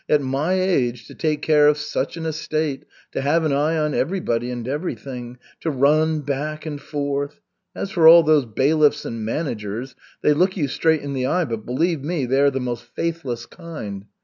At my age to take care of such an estate, to have an eye on everybody and everything, to run back and forth! As for all those bailiffs and managers, they look you straight in the eye, but, believe me, they are the most faithless kind.